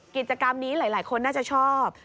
กิจกรรมนี้หลายคนน่าจะชอบ